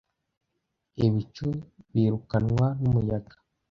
Ibicu birukanwa numuyaga.